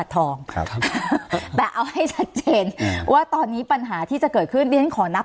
สนับสนุนโดยพี่โพเพี่ยวสะอาดใสไร้คราบ